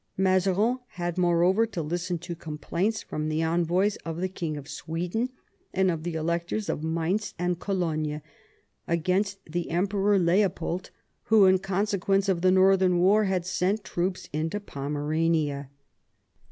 Mazarin had, moreover, to listen to complaints from the envoys of the King of Sweden, and of the electors of Mainz and Cologne, against the Emperor Leopold, who, in consequence of the northern war, had sent troops into Pomerania.